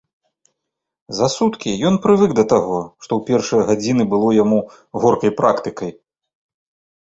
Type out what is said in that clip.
За суткі ён прывык да таго, што ў першыя гадзіны было яму горкай практыкай.